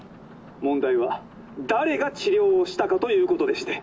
「問題は誰が治療をしたかということでして」。